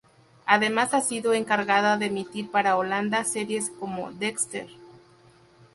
Además ha sido la encargada de emitir para Holanda series como Dexter.